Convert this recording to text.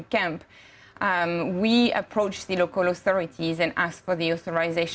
kami mencari penguasaan lokal dan meminta penguasaan